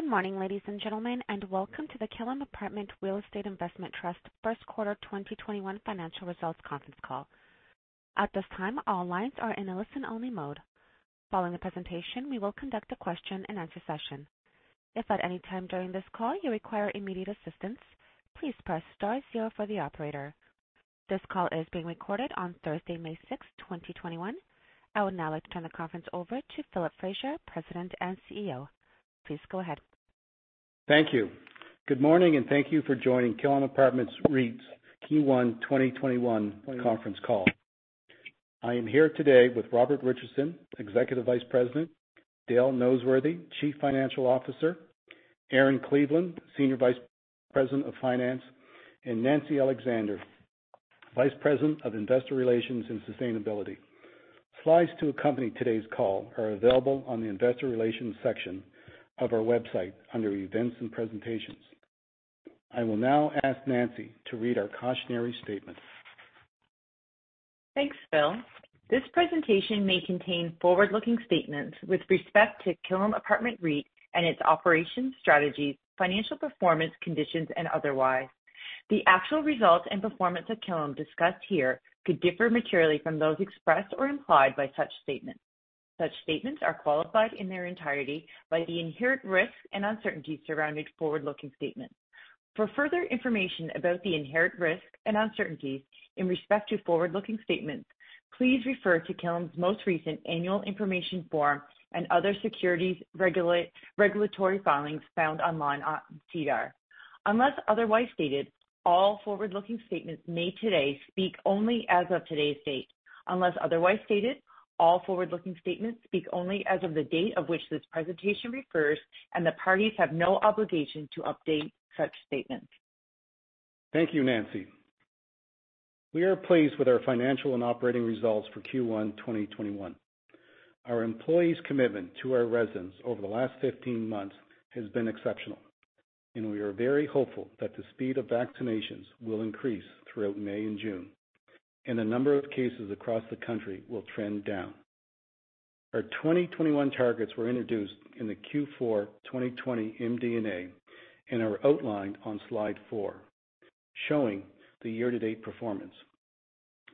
Good morning, ladies and gentlemen, and welcome to the Killam Apartment Real Estate Investment Trust first quarter 2021 financial results conference call. This call is being recorded on Thursday, May 6, 2021. I would now like to turn the conference over to Philip Fraser, President and CEO. Please go ahead. Thank you. Good morning, and thank you for joining Killam Apartment REIT's Q1 2021 conference call. I am here today with Robert Richardson, Executive Vice President, Dale Noseworthy, Chief Financial Officer, Erin Cleveland, Senior Vice President of Finance, and Nancy Alexander, Vice President of Investor Relations and Sustainability. Slides to accompany today's call are available on the investor relations section of our website under events and presentations. I will now ask Nancy to read our cautionary statement. Thanks, Phil. This presentation may contain forward-looking statements with respect to Killam Apartment REIT and its operations, strategies, financial performance, conditions, and otherwise. The actual results and performance of Killam discussed here could differ materially from those expressed or implied by such statements. Such statements are qualified in their entirety by the inherent risks and uncertainties surrounding forward-looking statements. For further information about the inherent risks and uncertainties in respect to forward-looking statements, please refer to Killam's most recent annual information form and other securities regulatory filings found online on SEDAR. Unless otherwise stated, all forward-looking statements made today speak only as of today's date. Unless otherwise stated, all forward-looking statements speak only as of the date of which this presentation refers, and the parties have no obligation to update such statements. Thank you, Nancy. We are pleased with our financial and operating results for Q1 2021. Our employees' commitment to our residents over the last 15 months has been exceptional, and we are very hopeful that the speed of vaccinations will increase throughout May and June, and the number of cases across the country will trend down. Our 2021 targets were introduced in the Q4 2020 MD&A and are outlined on slide four, showing the year-to-date performance.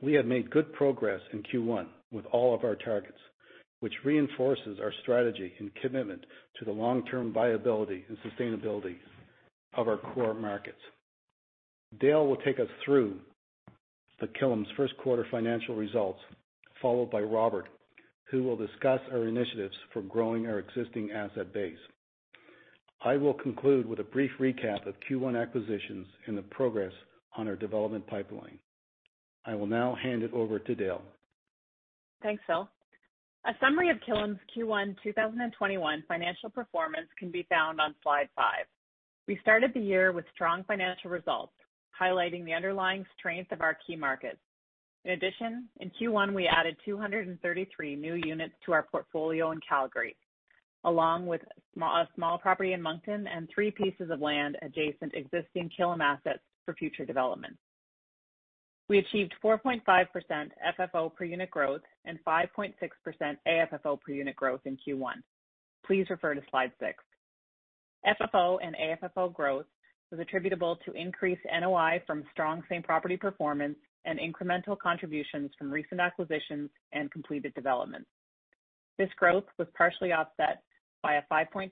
We have made good progress in Q1 with all of our targets, which reinforces our strategy and commitment to the long-term viability and sustainability of our core markets. Dale will take us through the Killam's first quarter financial results, followed by Robert, who will discuss our initiatives for growing our existing asset base. I will conclude with a brief recap of Q1 acquisitions and the progress on our development pipeline. I will now hand it over to Dale. Thanks, Philip Fraser. A summary of Killam's Q1 2021 financial performance can be found on slide five. We started the year with strong financial results, highlighting the underlying strength of our key markets. In addition, in Q1, we added 233 new units to our portfolio in Calgary, along with a small property in Moncton and three pieces of land adjacent existing Killam assets for future development. We achieved 4.5% FFO per unit growth and 5.6% AFFO per unit growth in Q1. Please refer to slide six. FFO and AFFO growth was attributable to increased NOI from strong same-property performance and incremental contributions from recent acquisitions and completed developments. This growth was partially offset by a 5.2%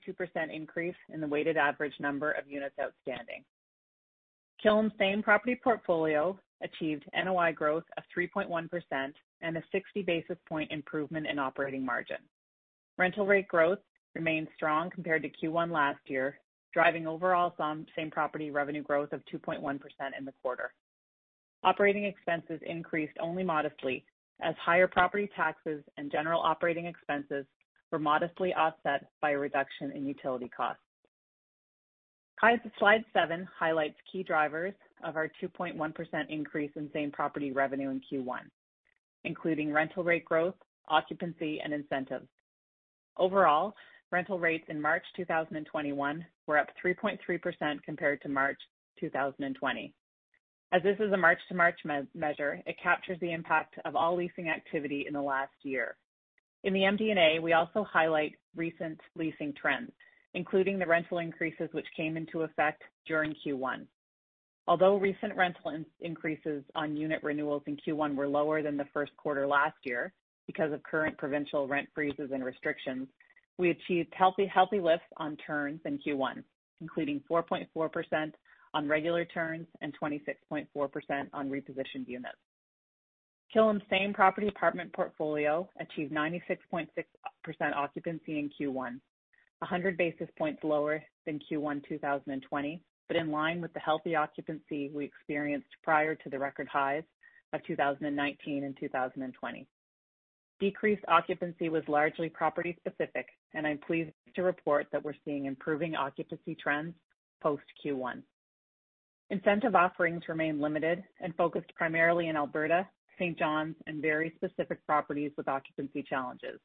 increase in the weighted average number of units outstanding. Killam same-property portfolio achieved NOI growth of 3.1% and a 60 basis point improvement in operating margin. Rental rate growth remained strong compared to Q1 last year, driving overall same-property revenue growth of 2.1% in the quarter. Operating expenses increased only modestly as higher property taxes and general operating expenses were modestly offset by a reduction in utility costs. Slide seven highlights key drivers of our 2.1% increase in same-property revenue in Q1, including rental rate growth, occupancy, and incentives. Overall, rental rates in March 2021 were up 3.3% compared to March 2020. As this is a March to March measure, it captures the impact of all leasing activity in the last year. In the MD&A, we also highlight recent leasing trends, including the rental increases which came into effect during Q1. Although recent rental increases on unit renewals in Q1 were lower than the first quarter last year because of current provincial rent freezes and restrictions, we achieved healthy lifts on turns in Q1, including 4.4% on regular turns and 26.4% on repositioned units. Killam same-property apartment portfolio achieved 96.6% occupancy in Q1, 100 basis points lower than Q1 2020, but in line with the healthy occupancy we experienced prior to the record highs of 2019 and 2020. Decreased occupancy was largely property specific, and I'm pleased to report that we're seeing improving occupancy trends post Q1. Incentive offerings remain limited and focused primarily in Alberta, St. John's, and very specific properties with occupancy challenges.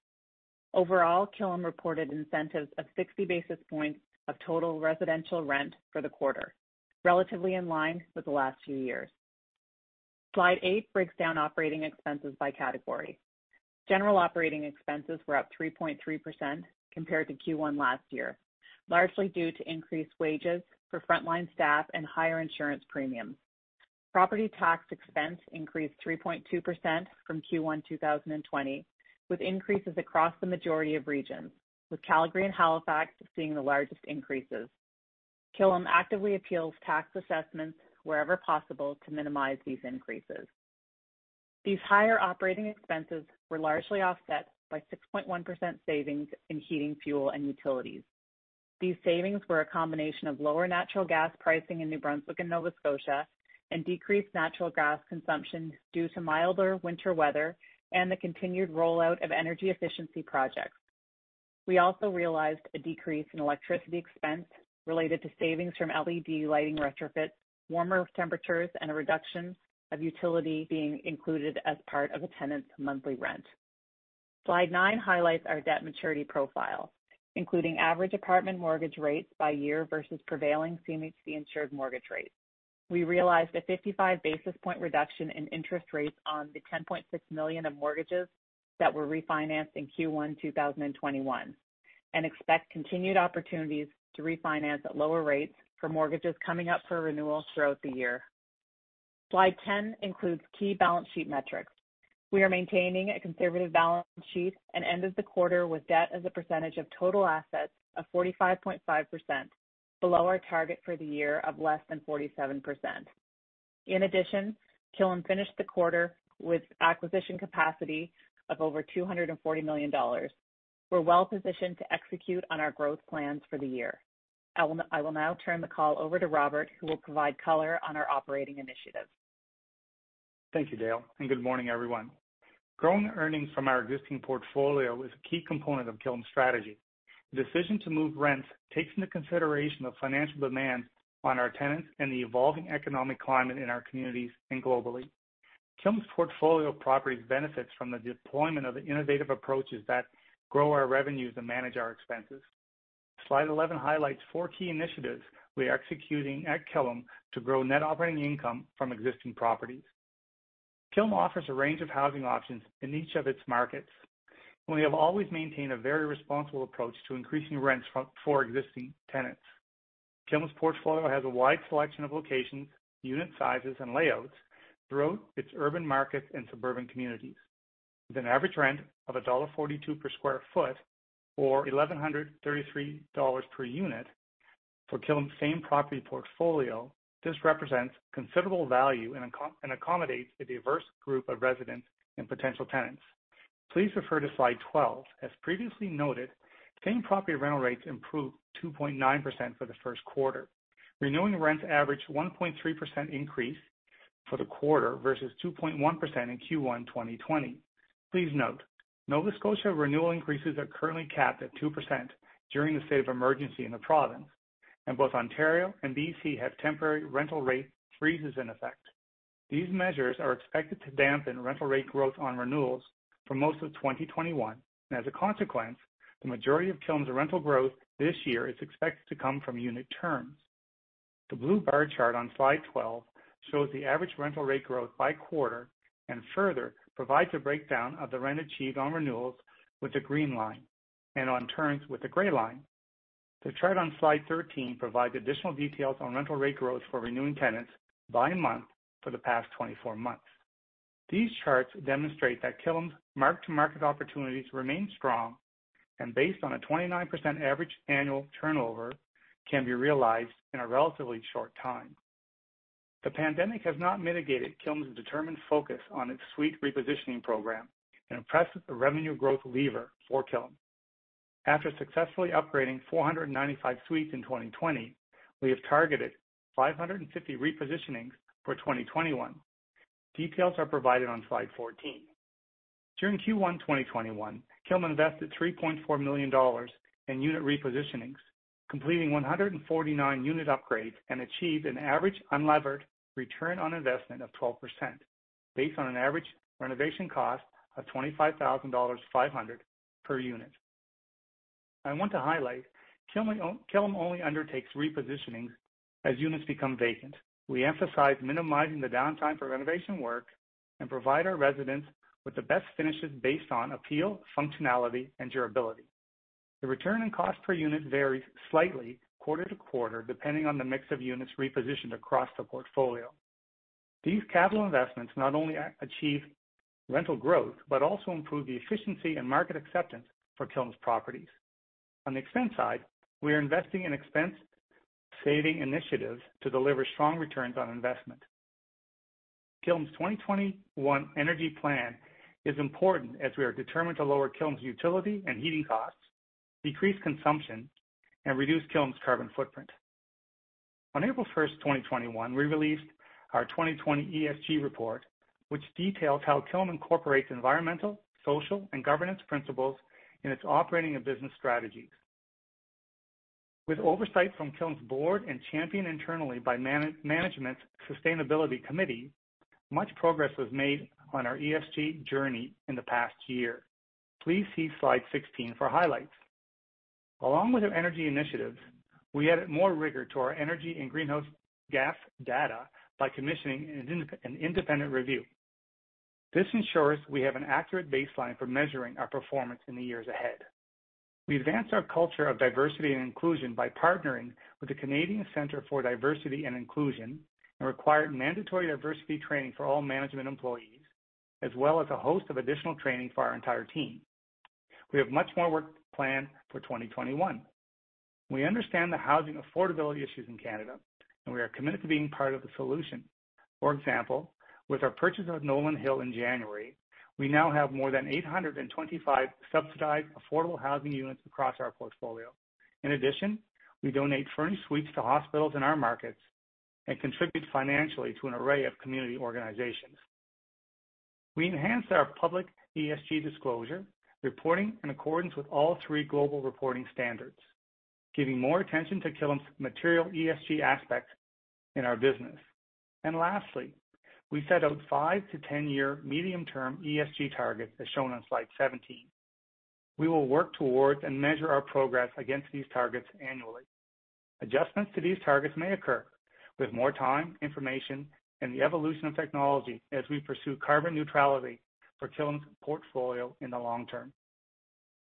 Overall, Killam reported incentives of 60 basis points of total residential rent for the quarter, relatively in line with the last few years. Slide eight breaks down operating expenses by category. General operating expenses were up 3.3% compared to Q1 last year, largely due to increased wages for frontline staff and higher insurance premiums. Property tax expense increased 3.2% from Q1 2020, with increases across the majority of regions, with Calgary and Halifax seeing the largest increases. Killam actively appeals tax assessments wherever possible to minimize these increases. These higher operating expenses were largely offset by 6.1% savings in heating, fuel, and utilities. These savings were a combination of lower natural gas pricing in New Brunswick and Nova Scotia, and decreased natural gas consumption due to milder winter weather and the continued rollout of energy efficiency projects. We also realized a decrease in electricity expense related to savings from LED lighting retrofits, warmer temperatures, and a reduction of utility being included as part of a tenant's monthly rent. Slide nine highlights our debt maturity profile, including average apartment mortgage rates by year versus prevailing CMHC insured mortgage rates. We realized a 55 basis point reduction in interest rates on the 10.6 million of mortgages that were refinanced in Q1 2021, and expect continued opportunities to refinance at lower rates for mortgages coming up for renewal throughout the year. Slide 10 includes key balance sheet metrics. We are maintaining a conservative balance sheet and ended the quarter with debt as a percentage of total assets of 45.5%, below our target for the year of less than 47%. In addition, Killam finished the quarter with acquisition capacity of over 240 million dollars. We're well-positioned to execute on our growth plans for the year. I will now turn the call over to Robert, who will provide color on our operating initiatives. Thank you, Dale, and good morning, everyone. Growing earnings from our existing portfolio is a key component of Killam's strategy. The decision to move rents takes into consideration the financial demands on our tenants and the evolving economic climate in our communities and globally. Killam's portfolio of properties benefits from the deployment of the innovative approaches that grow our revenues and manage our expenses. Slide 11 highlights four key initiatives we are executing at Killam to grow net operating income from existing properties. Killam offers a range of housing options in each of its markets. We have always maintained a very responsible approach to increasing rents for existing tenants. Killam's portfolio has a wide selection of locations, unit sizes, and layouts throughout its urban markets and suburban communities. With an average rent of dollar 1.42 per square foot or 1,133 dollars per unit for Killam's same-property portfolio, this represents considerable value and accommodates a diverse group of residents and potential tenants. Please refer to slide 12. As previously noted, same-property rental rates improved 2.9% for the first quarter. Renewing rents averaged 1.3% increase for the quarter versus 2.1% in Q1 2020. Please note, Nova Scotia renewal increases are currently capped at 2% during the state of emergency in the province, and both Ontario and B.C. have temporary rental rate freezes in effect. These measures are expected to dampen rental rate growth on renewals for most of 2021, and as a consequence, the majority of Killam's rental growth this year is expected to come from unit turns. The blue bar chart on slide 12 shows the average rental rate growth by quarter and further provides a breakdown of the rent achieved on renewals with the green line and on turns with the gray line. The chart on slide 13 provides additional details on rental rate growth for renewing tenants by month for the past 24 months. These charts demonstrate that Killam's mark-to-market opportunities remain strong and based on a 29% average annual turnover, can be realized in a relatively short time. The pandemic has not mitigated Killam's determined focus on its suite repositioning program and impresses the revenue growth lever for Killam. After successfully upgrading 495 suites in 2020, we have targeted 550 repositionings for 2021. Details are provided on slide 14. During Q1 2021, Killam invested CAD 3.4 million in unit repositionings, completing 149 unit upgrades and achieved an average unlevered return on investment of 12%, based on an average renovation cost of 25,500 dollars per unit. I want to highlight, Killam only undertakes repositionings as units become vacant. We emphasize minimizing the downtime for renovation work and provide our residents with the best finishes based on appeal, functionality, and durability. The return and cost per unit varies slightly quarter to quarter, depending on the mix of units repositioned across the portfolio. These capital investments not only achieve rental growth but also improve the efficiency and market acceptance for Killam's properties. On the expense side, we are investing in expense-saving initiatives to deliver strong returns on investment. Killam's 2021 energy plan is important as we are determined to lower Killam's utility and heating costs, decrease consumption, and reduce Killam's carbon footprint. On April 1st, 2021, we released our 2020 ESG report, which details how Killam incorporates environmental, social, and governance principles in its operating and business strategies. With oversight from Killam's board and championed internally by management's sustainability committee, much progress was made on our ESG journey in the past year. Please see slide 16 for highlights. Along with our energy initiatives, we added more rigor to our energy and greenhouse gas data by commissioning an independent review. This ensures we have an accurate baseline for measuring our performance in the years ahead. We advanced our culture of diversity and inclusion by partnering with the Canadian Centre for Diversity and Inclusion and required mandatory diversity training for all management employees, as well as a host of additional training for our entire team. We have much more work planned for 2021. We understand the housing affordability issues in Canada, and we are committed to being part of the solution. For example, with our purchase of Nolan Hill in January, we now have more than 825 subsidized affordable housing units across our portfolio. In addition, we donate furnished suites to hospitals in our markets and contribute financially to an array of community organizations. We enhanced our public ESG disclosure reporting in accordance with all three global reporting standards, giving more attention to Killam's material ESG aspects in our business. Lastly, we set out five- to 10-year medium-term ESG targets, as shown on slide 17. We will work towards and measure our progress against these targets annually. Adjustments to these targets may occur with more time, information, and the evolution of technology as we pursue carbon neutrality for Killam's portfolio in the long term.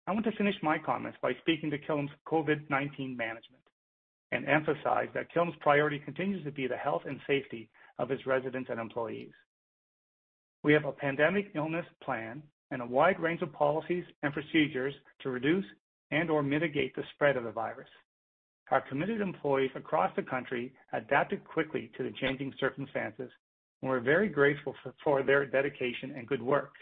I want to finish my comments by speaking to Killam's COVID-19 management and emphasize that Killam's priority continues to be the health and safety of its residents and employees. We have a pandemic illness plan and a wide range of policies and procedures to reduce and/or mitigate the spread of the virus. Our committed employees across the country adapted quickly to the changing circumstances, and we're very grateful for their dedication and good work.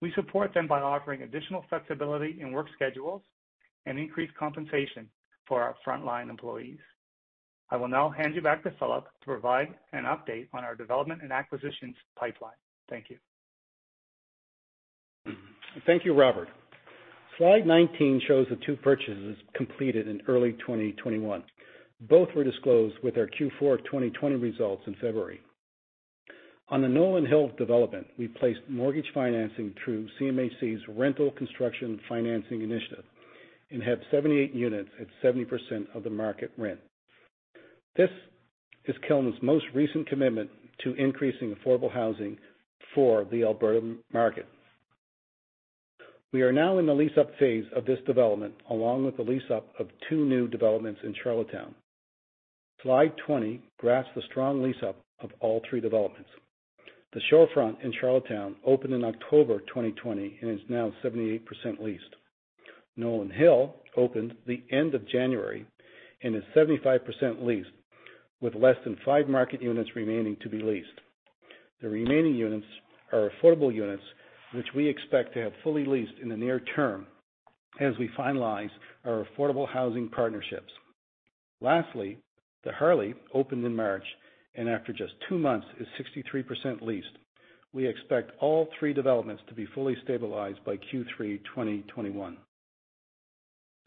We support them by offering additional flexibility in work schedules and increased compensation for our frontline employees. I will now hand you back to Philip to provide an update on our development and acquisitions pipeline. Thank you. Thank you, Robert. Slide 19 shows the two purchases completed in early 2021. Both were disclosed with our Q4 2020 results in February. On the Nolan Hill development, we placed mortgage financing through CMHC's Rental Construction Financing Initiative and have 78 units at 70% of the market rent. This is Killam's most recent commitment to increasing affordable housing for the Alberta market. We are now in the lease-up phase of this development, along with the lease-up of two new developments in Charlottetown. Slide 20 graphs the strong lease-up of all three developments. The Shorefront in Charlottetown opened in October 2020 and is now 78% leased. Nolan Hill opened the end of January and is 75% leased, with less than five market units remaining to be leased. The remaining units are affordable units, which we expect to have fully leased in the near term as we finalize our affordable housing partnerships. Lastly, The Harley opened in March, and after just two months, is 63% leased. We expect all three developments to be fully stabilized by Q3 2021.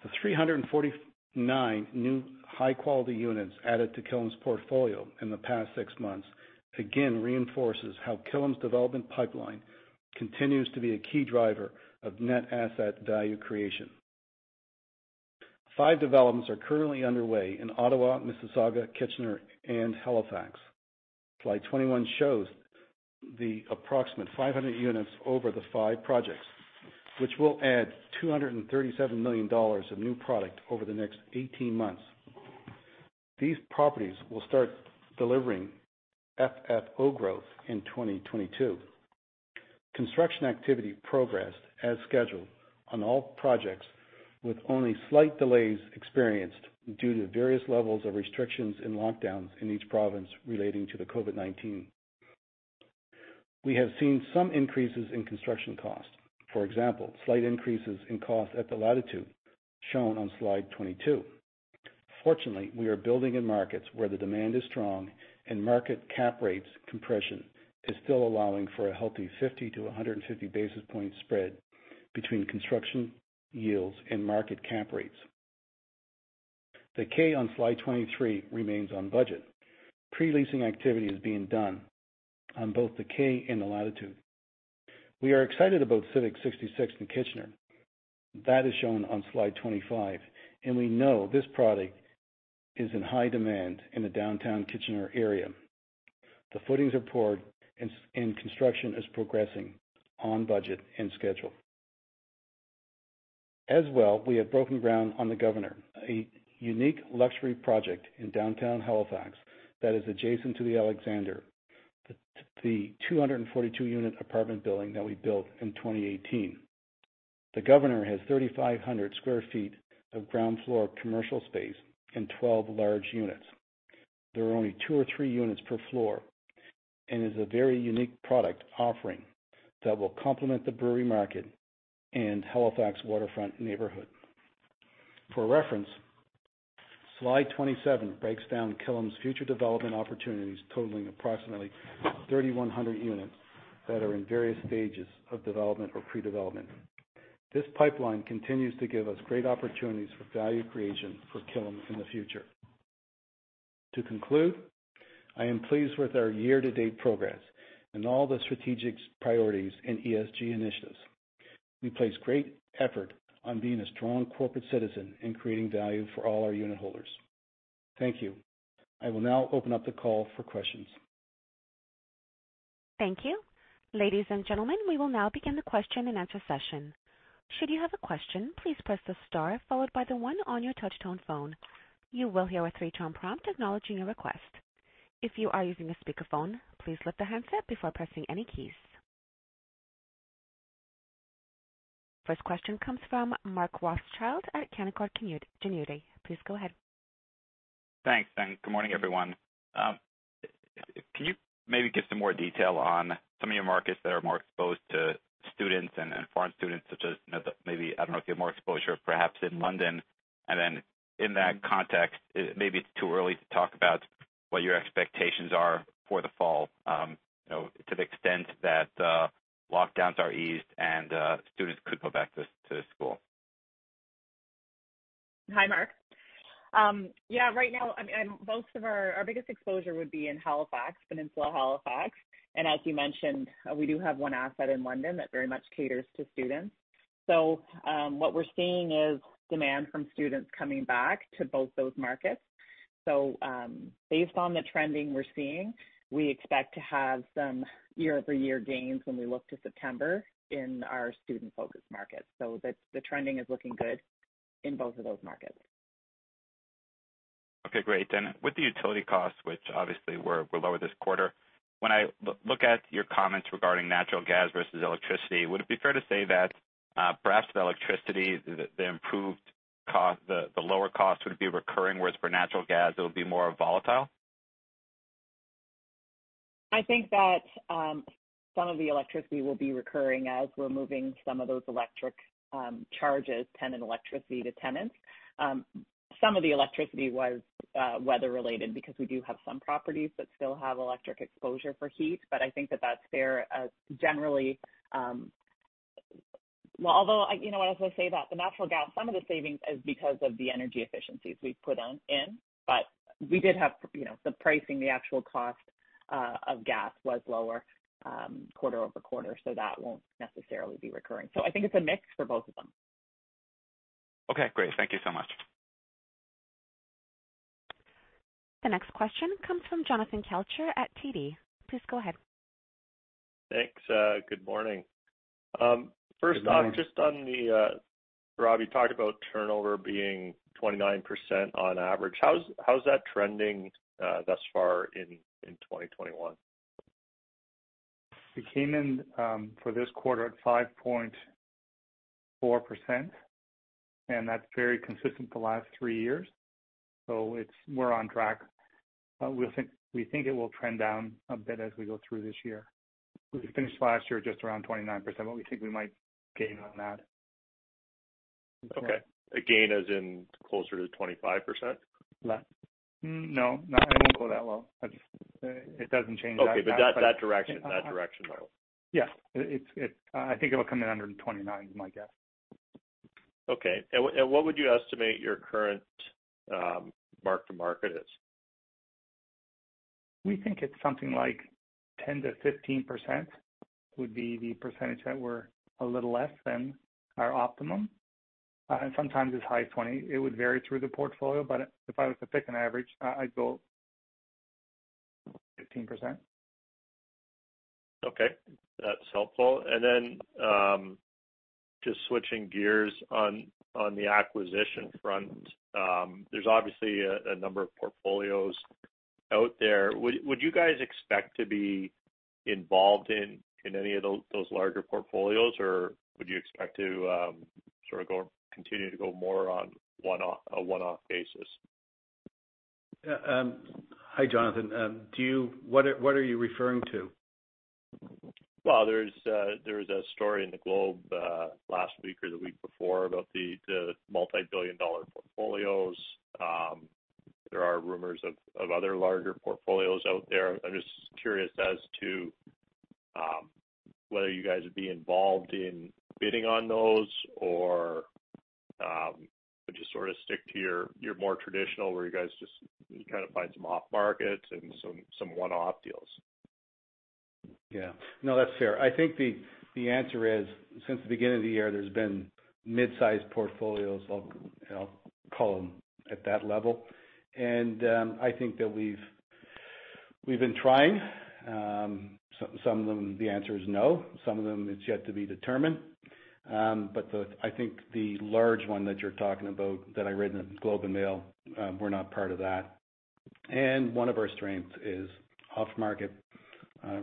The 349 new high-quality units added to Killam's portfolio in the past six months again reinforces how Killam's development pipeline continues to be a key driver of net asset value creation. Five developments are currently underway in Ottawa, Mississauga, Kitchener, and Halifax. Slide 21 shows the approximate 500 units over the five projects, which will add 237 million dollars of new product over the next 18 months. These properties will start delivering FFO growth in 2022. Construction activity progressed as scheduled on all projects, with only slight delays experienced due to various levels of restrictions and lockdowns in each province relating to the COVID-19. We have seen some increases in construction costs. For example, slight increases in costs at The Latitude, shown on slide 22. Fortunately, we are building in markets where the demand is strong and market cap rates compression is still allowing for a healthy 50-150 basis points spread between construction yields and market cap rates. The Kay on slide 23 remains on budget. Pre-leasing activity is being done on both The Kay and The Latitude. We are excited about Civic 66 in Kitchener. That is shown on slide 25. We know this product is in high demand in the downtown Kitchener area. The footings are poured, and construction is progressing on budget and schedule. As well, we have broken ground on The Governor, a unique luxury project in downtown Halifax that is adjacent to The Alexander, the 242-unit apartment building that we built in 2018. The Governor has 3,500 sq ft of ground floor commercial space and 12 large units. There are only two or three units per floor and is a very unique product offering that will complement the Brewery Market and Halifax waterfront neighborhood. For reference, slide 27 breaks down Killam's future development opportunities, totaling approximately 3,100 units that are in various stages of development or pre-development. This pipeline continues to give us great opportunities for value creation for Killam in the future. To conclude, I am pleased with our year-to-date progress and all the strategic priorities and ESG initiatives. We place great effort on being a strong corporate citizen and creating value for all our unitholders. Thank you. I will now open up the call for questions. Thank you. First question comes from Mark Rothschild at Canaccord Genuity. Please go ahead. Thanks. Good morning, everyone. Can you maybe give some more detail on some of your markets that are more exposed to students and foreign students such as maybe, I don't know if you have more exposure, perhaps in London? In that context, maybe it's too early to talk about what your expectations are for the fall, to the extent that lockdowns are eased and students could go back to school. Hi, Mark. Yeah, right now, our biggest exposure would be in Halifax, Peninsula Halifax. As you mentioned, we do have one asset in London that very much caters to students. What we're seeing is demand from students coming back to both those markets. Based on the trending we're seeing, we expect to have some year-over-year gains when we look to September in our student-focused markets. The trending is looking good in both of those markets. Okay, great. With the utility costs, which obviously were lower this quarter, when I look at your comments regarding natural gas versus electricity, would it be fair to say that perhaps the electricity, the lower cost would be recurring, whereas for natural gas, it would be more volatile? I think that some of the electricity will be recurring as we're moving some of those electric charges, tenant electricity to tenants. Some of the electricity was weather related because we do have some properties that still have electric exposure for heat. I think that that's fair, generally. Well, I was going to say that the natural gas, some of the savings is because of the energy efficiencies we've put in. We did have the pricing, the actual cost of gas was lower quarter-over-quarter, so that won't necessarily be recurring. I think it's a mix for both of them. Okay, great. Thank you so much. The next question comes from Jonathan Kelcher at TD. Please go ahead. Thanks. Good morning. Good morning. First off, just on the, Robbie talked about turnover being 29% on average. How's that trending thus far in 2021? We came in for this quarter at 5.4%. That's very consistent the last three years. We're on track. We think it will trend down a bit as we go through this year. We finished last year at just around 29%. We think we might gain on that. Okay. A gain as in closer to 25%? No. I wouldn't go that low. It doesn't change that much. Okay, that direction, though. Yeah. I think it will come in under 29 is my guess. Okay. What would you estimate your current mark-to-market is? We think it's something like 10%-15% would be the percentage that we're a little less than our optimum. Sometimes it's high 20%. It would vary through the portfolio, but if I was to pick an average, I'd go 15%. Okay. That's helpful. Then, just switching gears on the acquisition front. There's obviously a number of portfolios out there. Would you guys expect to be involved in any of those larger portfolios, or would you expect to sort of continue to go more on a one-off basis? Hi, Jonathan. What are you referring to? Well, there was a story in The Globe last week or the week before about the multi-billion dollar portfolios. There are rumors of other larger portfolios out there. I'm just curious as to whether you guys would be involved in bidding on those, or would you sort of stick to your more traditional where you guys just kind of find some off markets and some one-off deals? Yeah. No, that's fair. I think the answer is, since the beginning of the year, there's been mid-size portfolios, I'll call them at that level. I think that we've been trying. Some of them, the answer is no. Some of them, it's yet to be determined. I think the large one that you're talking about that I read in The Globe and Mail, we're not part of that. One of our strengths is off-market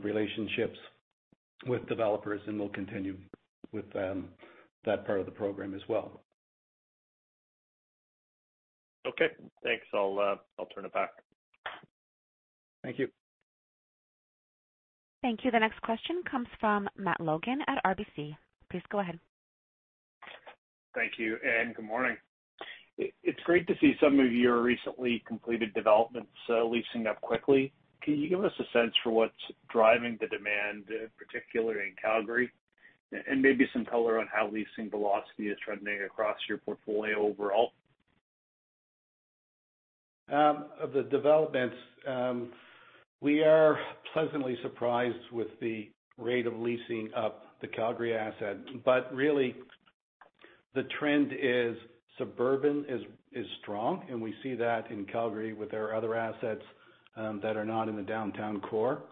relationships with developers, and we'll continue with that part of the program as well. Okay, thanks. I'll turn it back. Thank you. Thank you. The next question comes from Matt Logan at RBC. Please go ahead. Thank you, and good morning. It's great to see some of your recently completed developments leasing up quickly. Can you give us a sense for what's driving the demand, particularly in Calgary? Maybe some color on how leasing velocity is trending across your portfolio overall. Of the developments, we are pleasantly surprised with the rate of leasing of the Calgary asset. Really, the trend is suburban is strong, and we see that in Calgary with our other assets that are not in the downtown core.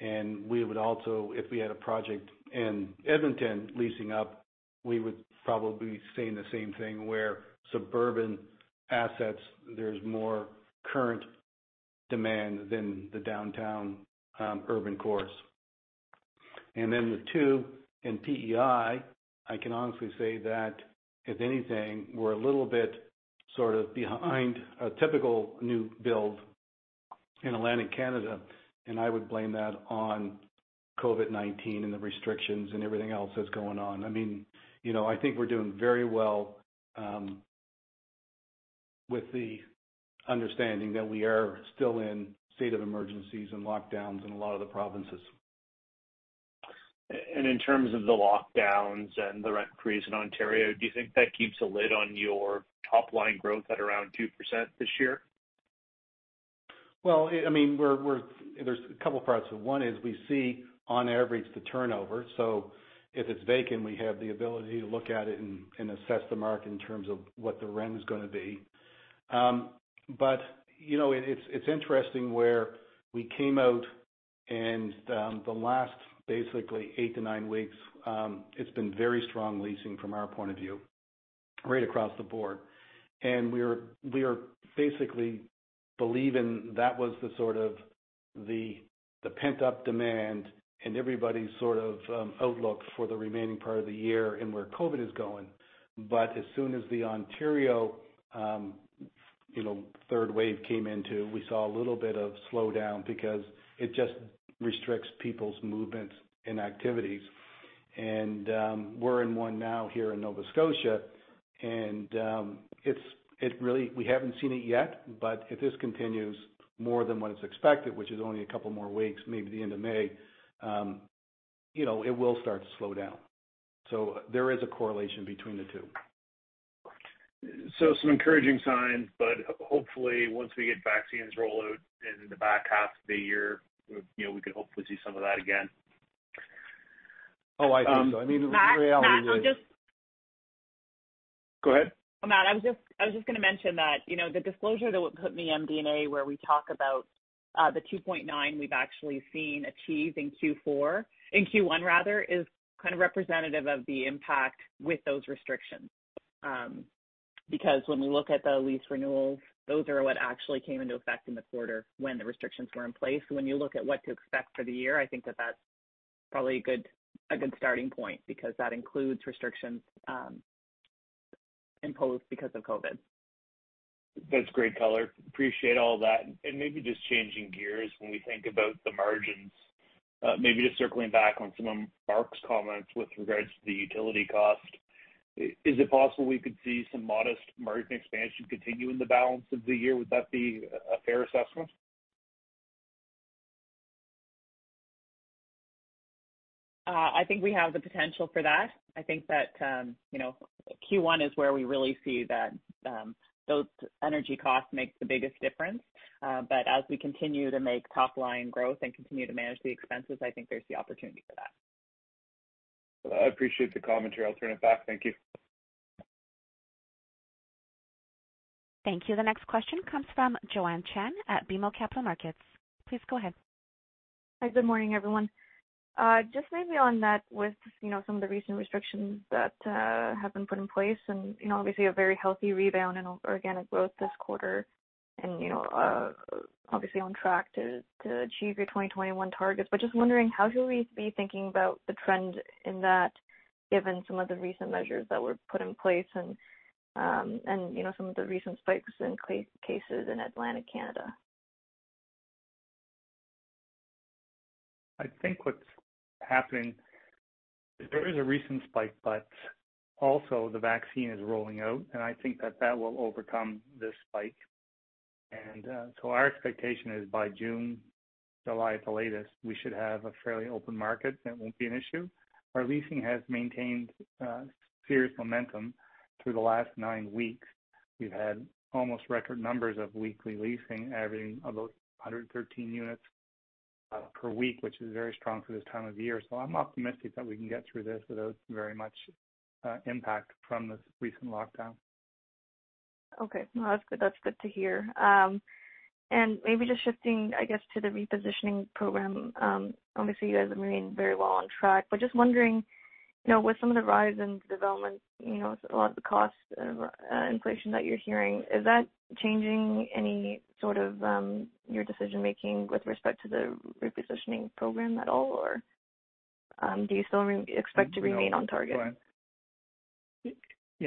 We would also, if we had a project in Edmonton leasing up, we would probably say the same thing, where suburban assets, there's more current demand than the downtown urban cores. With Two in PEI, I can honestly say that, if anything, we're a little bit sort of behind a typical new build in Atlantic Canada, and I would blame that on COVID-19 and the restrictions and everything else that's going on. I think we're doing very well with the understanding that we are still in state of emergencies and lockdowns in a lot of the provinces. In terms of the lockdowns and the rent freeze in Ontario, do you think that keeps a lid on your top-line growth at around 2% this year? Well, there's a couple parts. One is we see, on average, the turnover. If it's vacant, we have the ability to look at it and assess the market in terms of what the rent is going to be. It's interesting where we came out and the last basically eight to nine weeks, it's been very strong leasing from our point of view, right across the board. We are basically believing that was the sort of the pent-up demand and everybody's sort of outlook for the remaining part of the year and where COVID is going. As soon as the Ontario third wave came into, we saw a little bit of slowdown because it just restricts people's movements and activities. We're in one now here in Nova Scotia, and we haven't seen it yet, but if this continues more than what is expected, which is only a couple more weeks, maybe the end of May, it will start to slow down. There is a correlation between the two. Some encouraging signs, but hopefully once we get vaccines rolled out in the back half of the year, we could hopefully see some of that again. Oh, I think so. Matt, I'm. Go ahead. Matt, I was just going to mention that the disclosure that was put in the MD&A where we talk about the 2.9 we've actually seen achieved in Q4, in Q1 rather, is kind of representative of the impact with those restrictions. When we look at the lease renewals, those are what actually came into effect in the quarter when the restrictions were in place. When you look at what to expect for the year, I think that that's probably a good starting point because that includes restrictions imposed because of COVID. That's great color. Appreciate all that. Maybe just changing gears, when we think about the margins, maybe just circling back on some of Mark's comments with regards to the utility cost. Is it possible we could see some modest margin expansion continue in the balance of the year? Would that be a fair assessment? I think we have the potential for that. I think that Q1 is where we really see that those energy costs make the biggest difference. As we continue to make top-line growth and continue to manage the expenses, I think there's the opportunity for that. I appreciate the commentary. I'll turn it back. Thank you. Thank you. The next question comes from Joanne Chen at BMO Capital Markets. Please go ahead. Hi, good morning, everyone. Maybe on that with some of the recent restrictions that have been put in place, obviously a very healthy rebound in organic growth this quarter and obviously on track to achieve your 2021 targets. Just wondering, how should we be thinking about the trend in that given some of the recent measures that were put in place and some of the recent spikes in cases in Atlantic Canada? I think what's happening is there is a recent spike, but also the vaccine is rolling out, and I think that that will overcome this spike. Our expectation is by June, July at the latest, we should have a fairly open market and it won't be an issue. Our leasing has maintained serious momentum through the last nine weeks. We've had almost record numbers of weekly leasing, averaging about 113 units per week, which is very strong for this time of year. I'm optimistic that we can get through this without very much impact from this recent lockdown. Okay. No, that's good to hear. Maybe just shifting, I guess, to the repositioning program. Obviously, you guys are remaining very well on track, but just wondering with some of the rise in development, a lot of the cost inflation that you're hearing, is that changing any sort of your decision-making with respect to the repositioning program at all? Or do you still expect to remain on target?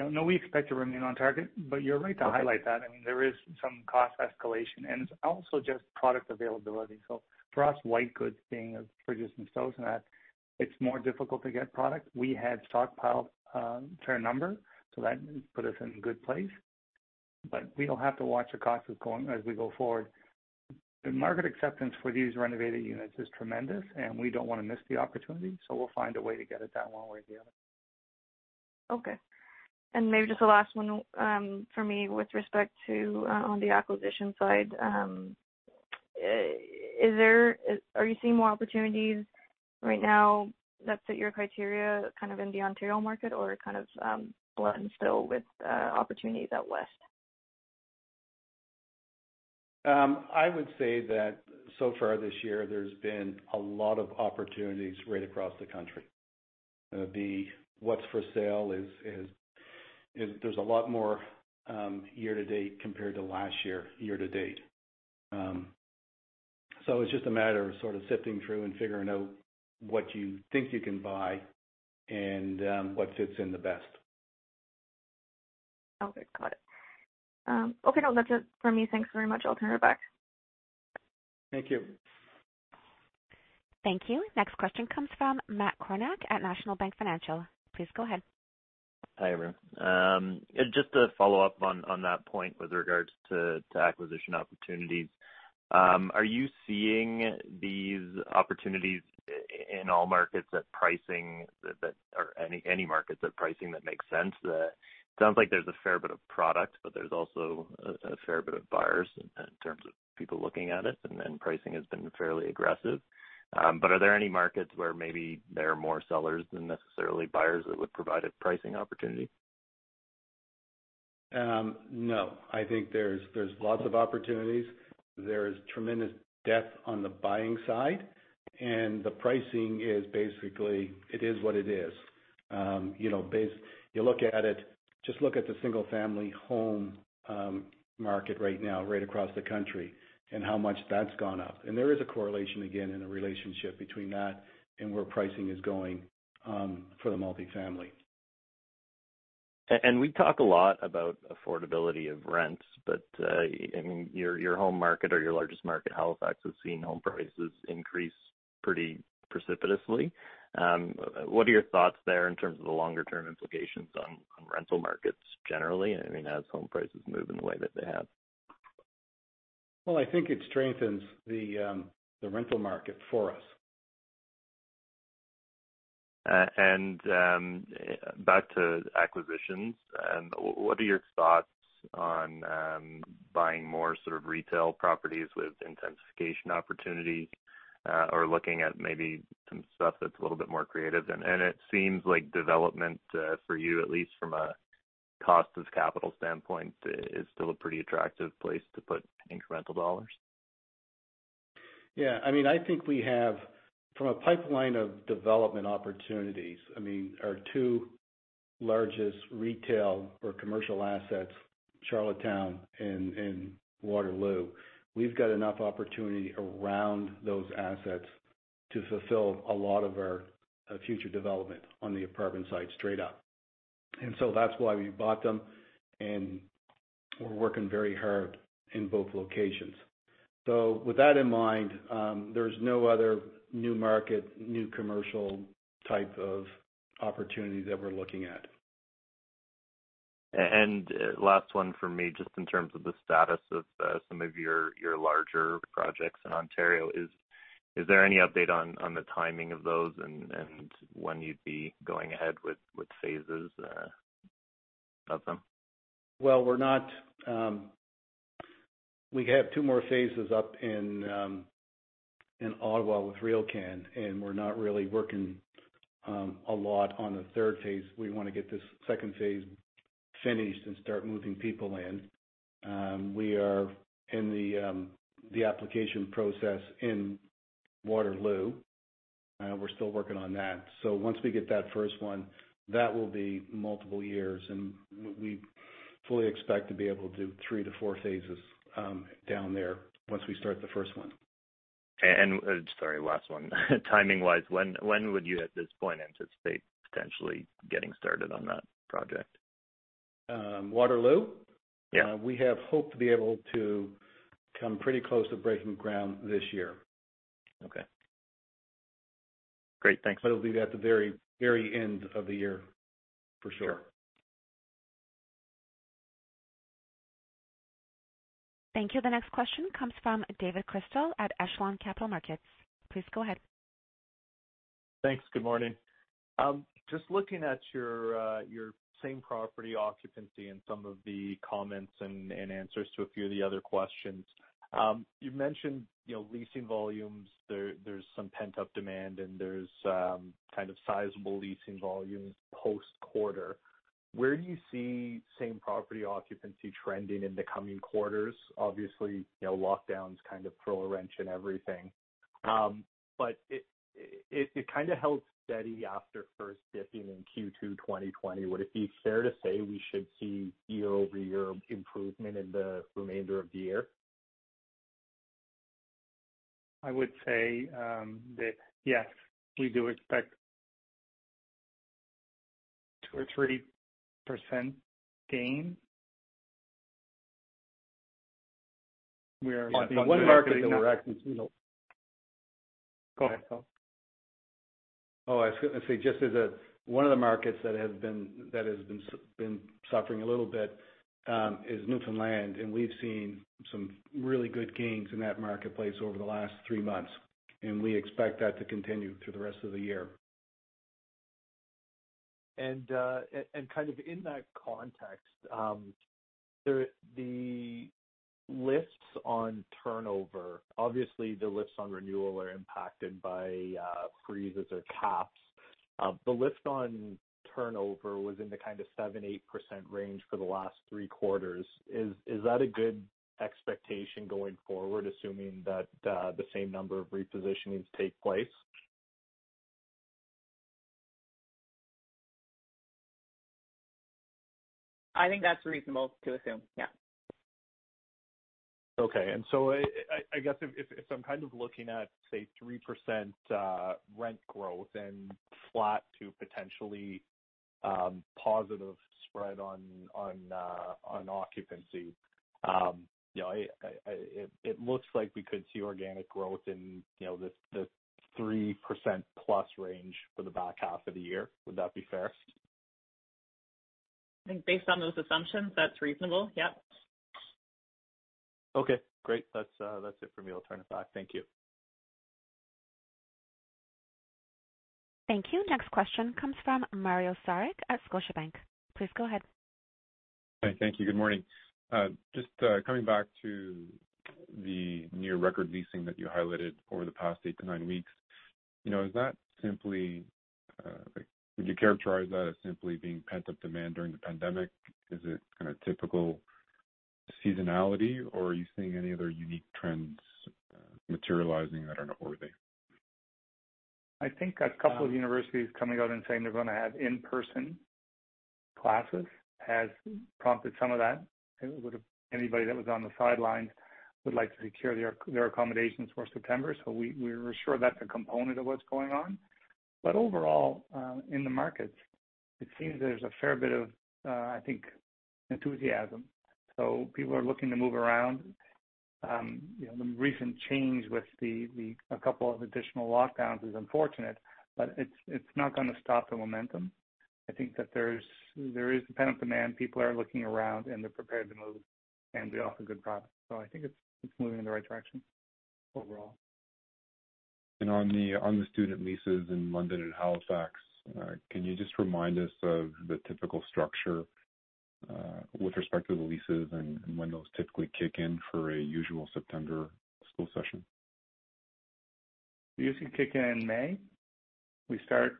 No, we expect to remain on target, but you're right to highlight that. There is some cost escalation, and it's also just product availability. For us, white goods being a producer themselves and that it's more difficult to get product. We had stockpiled a fair number, so that put us in a good place. We'll have to watch our costs as we go forward. The market acceptance for these renovated units is tremendous, and we don't want to miss the opportunity, so we'll find a way to get it done one way or the other. Okay. Maybe just the last one from me with respect to on the acquisition side. Are you seeing more opportunities right now that fit your criteria kind of in the Ontario market or kind of blend still with opportunities out West? I would say that so far this year, there's been a lot of opportunities right across the country. The what's for sale is there's a lot more year to date compared to last year to date. It's just a matter of sort of sifting through and figuring out what you think you can buy and what fits in the best. Okay. Got it. Okay. No, that's it from me. Thanks very much. I'll turn it back. Thank you. Thank you. Next question comes from Matt Kornack at National Bank Financial. Please go ahead. Hi, everyone. Just a follow-up on that point with regards to acquisition opportunities. Are you seeing these opportunities in all markets at pricing that, or any markets at pricing that makes sense? It sounds like there's a fair bit of product, but there's also a fair bit of buyers in terms of people looking at it, and pricing has been fairly aggressive. Are there any markets where maybe there are more sellers than necessarily buyers that would provide a pricing opportunity? No. I think there's lots of opportunities. There's tremendous depth on the buying side, and the pricing is basically, it is what it is. You look at it, just look at the single-family home market right now, right across the country, and how much that's gone up. There is a correlation, again, and a relationship between that and where pricing is going for the multifamily. We talk a lot about affordability of rents. Your home market or your largest market, Halifax, has seen home prices increase pretty precipitously. What are your thoughts there in terms of the longer-term implications on rental markets generally? As home prices move in the way that they have. Well, I think it strengthens the rental market for us. Back to acquisitions, what are your thoughts on buying more sort of retail properties with intensification opportunity, or looking at maybe some stuff that's a little bit more creative? It seems like development for you, at least from a cost of capital standpoint, is still a pretty attractive place to put incremental dollars. Yeah. I think we have, from a pipeline of development opportunities, our two largest retail or commercial assets, Charlottetown and Waterloo. We've got enough opportunity around those assets to fulfill a lot of our future development on the apartment side straight up. That's why we bought them, and we're working very hard in both locations. With that in mind, there's no other new market, new commercial type of opportunities that we're looking at. Last one from me, just in terms of the status of some of your larger projects in Ontario, is there any update on the timing of those and when you'd be going ahead with phases of them? Well, we have two more phases up in Ottawa with RioCan, and we're not really working a lot on a third phase. We want to get this second phase finished and start moving people in. We are in the application process in Waterloo. We're still working on that. Once we get that first one, that will be multiple years, and we fully expect to be able to do 3 to 4 phases down there once we start the first one. Sorry, last one. Timing-wise, when would you, at this point, anticipate potentially getting started on that project? Waterloo? Yeah. We have hope to be able to come pretty close to breaking ground this year. Okay. Great. Thanks. It'll be at the very end of the year, for sure. Thank you. The next question comes from David Chrystal at Echelon Capital Markets. Please go ahead. Thanks. Good morning. Just looking at your same property occupancy and some of the comments and answers to a few of the other questions. You mentioned leasing volumes, there's some pent-up demand, and there's kind of sizable leasing volumes post-quarter. Where do you see same property occupancy trending in the coming quarters? Obviously, lockdowns kind of throw a wrench in everything. It kind of held steady after first dipping in Q2 2020. Would it be fair to say we should see year-over-year improvement in the remainder of the year? I would say that yes, we do expect two or three % gain. We are- Go ahead, Phil. One of the markets that has been suffering a little bit is Newfoundland. We've seen some really good gains in that marketplace over the last three months. We expect that to continue through the rest of the year. Kind of in that context, the lifts on turnover. Obviously, the lifts on renewal are impacted by freezes or caps. The lift on turnover was in the kind of 7%-8% range for the last three quarters. Is that a good expectation going forward, assuming that the same number of repositionings take place? I think that's reasonable to assume. Yeah. Okay. I guess if I'm kind of looking at, say, 3% rent growth and flat to potentially positive spread on occupancy, it looks like we could see organic growth in the 3% plus range for the back half of the year. Would that be fair? I think based on those assumptions, that's reasonable. Yep. Okay, great. That's it for me. I'll turn it back. Thank you. Thank you. Next question comes from Mario Saric at Scotiabank. Please go ahead. Thank you. Good morning. Just coming back to the near record leasing that you highlighted over the past eight to nine weeks. Would you characterize that as simply being pent-up demand during the pandemic? Is it kind of typical seasonality, or are you seeing any other unique trends materializing that are noteworthy? I think a couple of universities coming out and saying they're going to have in-person classes has prompted some of that. Anybody that was on the sidelines would like to secure their accommodations for September. We're sure that's a component of what's going on. Overall, in the markets, it seems there's a fair bit of, I think, enthusiasm. People are looking to move around. The recent change with a couple of additional lockdowns is unfortunate, but it's not going to stop the momentum. I think that there is pent-up demand. People are looking around, and they're prepared to move, and we offer good product. I think it's moving in the right direction overall. On the student leases in London and Halifax, can you just remind us of the typical structure, with respect to the leases and when those typically kick in for a usual September school session? Usually kick in May. We start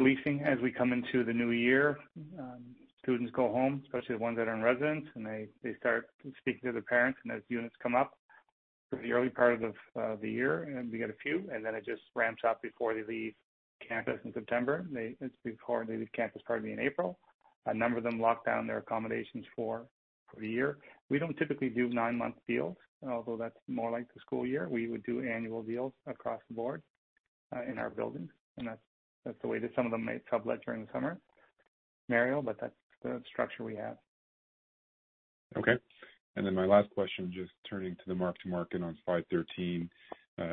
leasing as we come into the new year. Students go home, especially the ones that are in residence, and they start speaking to their parents. As units come up for the early part of the year, and we get a few, then it just ramps up before they leave campus in September. It's before they leave campus, probably in April. A number of them lock down their accommodations for the year. We don't typically do nine-month deals, although that's more like the school year. We would do annual deals across the board, in our buildings. That's the way that some of them may sublet during the summer, Mario, but that's the structure we have. Okay. My last question, just turning to the mark-to-market on slide 13.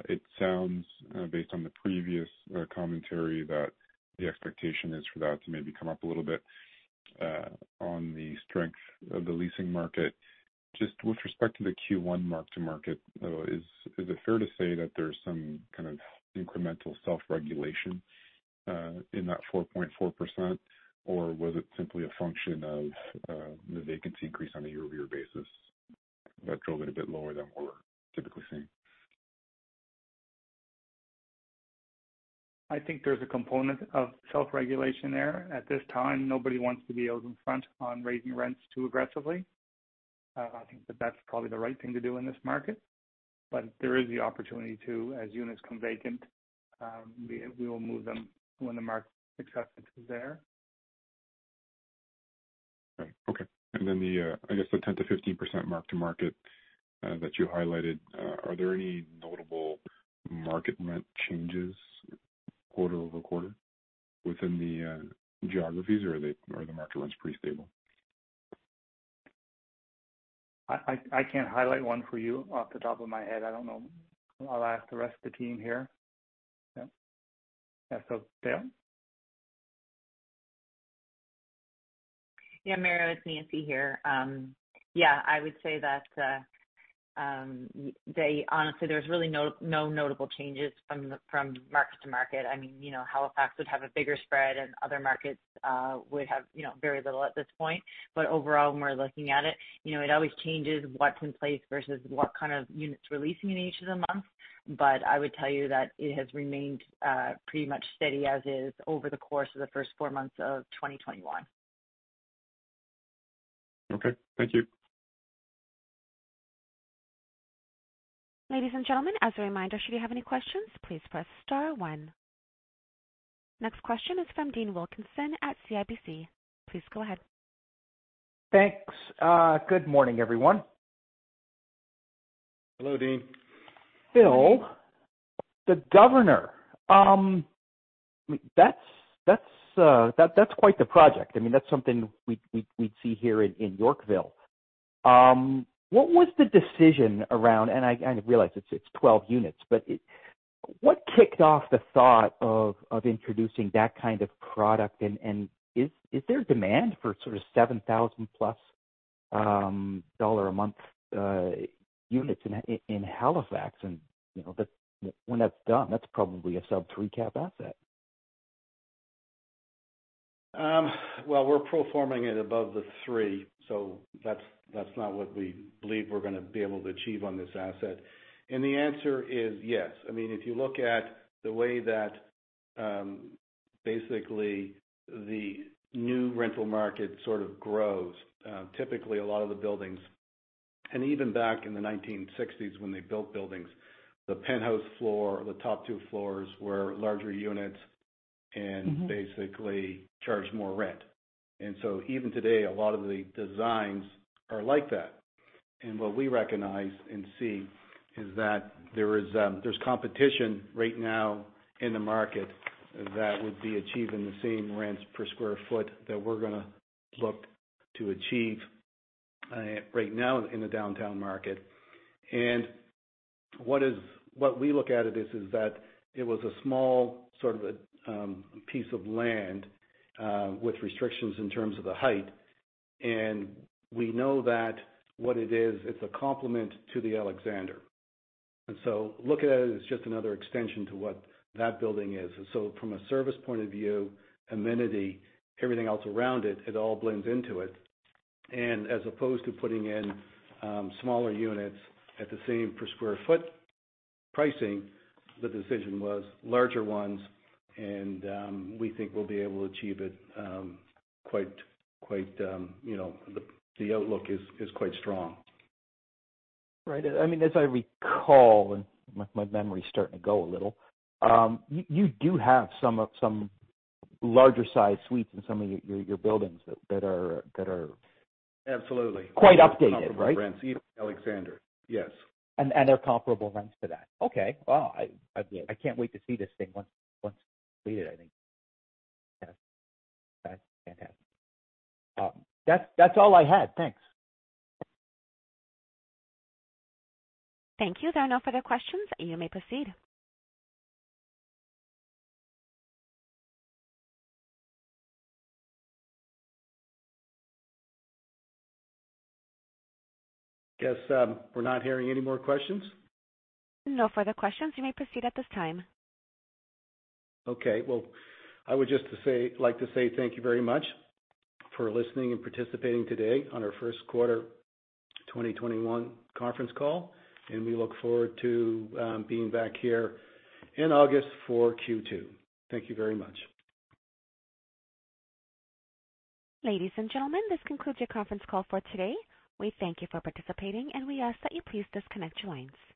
It sounds, based on the previous commentary, that the expectation is for that to maybe come up a little bit on the strength of the leasing market. Just with respect to the Q1 mark-to-market, though, is it fair to say that there's some kind of incremental self-regulation, in that 4.4%, or was it simply a function of the vacancy increase on a year-over-year basis that drove it a bit lower than what we're typically seeing? I think there's a component of self-regulation there. At this time, nobody wants to be out in front on raising rents too aggressively. I think that that's probably the right thing to do in this market. There is the opportunity to, as units come vacant, we will move them when the market acceptance is there. Right. Okay. Then the, I guess the 10%-15% mark-to-market that you highlighted, are there any notable market rent changes quarter-over-quarter within the geographies, or are the market rents pretty stable? I can't highlight one for you off the top of my head. I don't know. I'll ask the rest of the team here. Yeah. Dale? Yeah. Mario, it's Nancy here. Yeah, I would say that, honestly, there's really no notable changes from mark-to-market. Halifax would have a bigger spread and other markets would have very little at this point. Overall, when we're looking at it always changes what's in place versus what kind of units we're leasing in each of the months. I would tell you that it has remained pretty much steady as is over the course of the first four months of 2021. Okay. Thank you. Ladies and gentlemen, as a reminder, should you have any questions, please press star one. Next question is from Dean Wilkinson at CIBC. Please go ahead. Thanks. Good morning, everyone. Hello, Dean. Philip Fraser, The Governor. That's quite the project. That's something we'd see here in Yorkville. What was the decision around, I realize it's 12 units, but what kicked off the thought of introducing that kind of product, is there demand for sort of 7,000 dollar plus a month units in Halifax? When that's done, that's probably a sub-three cap asset. Well, we're pro forming it above the three, that's not what we believe we're going to be able to achieve on this asset. The answer is yes. If you look at the way that basically the new rental market sort of grows. Typically, a lot of the buildings, and even back in the 1960s when they built buildings, the penthouse floor or the top two floors were larger units. basically charged more rent. Even today, a lot of the designs are like that. What we recognize and see is that there is competition right now in the market that would be achieving the same rents per square foot that we are going to look to achieve right now in the downtown market. What we look at it is that it was a small sort of a piece of land with restrictions in terms of the height, and we know that what it is, it is a complement to The Alexander. Look at it as just another extension to what that building is. From a service point of view, amenity, everything else around it all blends into it. As opposed to putting in smaller units at the same per square foot pricing, the decision was larger ones and we think we'll be able to achieve it. The outlook is quite strong. Right. As I recall, and my memory's starting to go a little, you do have some larger size suites in some of your buildings that are- Absolutely Quite updated, right? Comparable rents, even Alexander. Yes. They're comparable rents to that. Okay. Wow. Yes. I can't wait to see this thing once it's completed, I think. Yeah. That's fantastic. That's all I had. Thanks. Thank you. There are no further questions. You may proceed. Guess we're not hearing any more questions? No further questions. You may proceed at this time. Okay. Well, I would just like to say thank you very much for listening and participating today on our first quarter 2021 conference call, and we look forward to being back here in August for Q2. Thank you very much. Ladies and gentlemen, this concludes your conference call for today. We thank you for participating, and we ask that you please disconnect your lines.